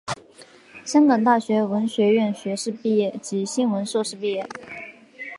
香港大学文学院学士毕业及新闻硕士毕业。